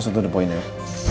jadi kita cukup unik